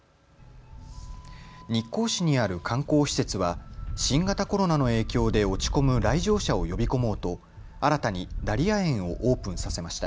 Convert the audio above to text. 日光市にある観光施設は新型コロナの影響で落ち込む来場者を呼び込もうと新たにダリア園をオープンさせました。